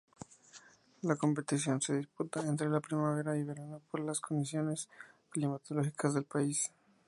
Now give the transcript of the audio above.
La competición se disputa entre primavera y verano por las condiciones climatológicas del país.